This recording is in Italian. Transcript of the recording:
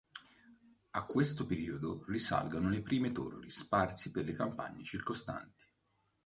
A questo periodo risalgono le prime torri sparse per le campagne circostanti.